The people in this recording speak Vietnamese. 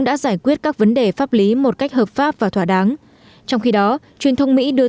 đã giải quyết các vấn đề pháp lý một cách hợp pháp và thỏa đáng trong khi đó truyền thông mỹ đưa